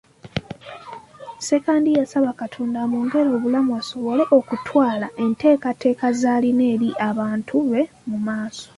Ssekandi yasabye Katonda amwongere obulamu asobole okutwala enteekateeka z'alina eri abantu be mu maaso.